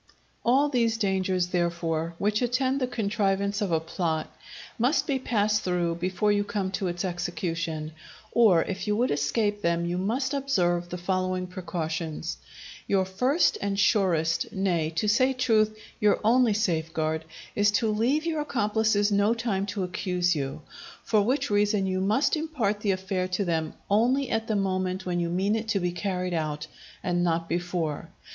All these dangers, therefore, which attend the contrivance of a plot, must be passed through before you come to its execution; or if you would escape them, you must observe the following precautions: Your first and surest, nay, to say truth, your only safeguard, is to leave your accomplices no time to accuse you; for which reason you must impart the affair to them, only at the moment when you mean it to be carried out, and not before.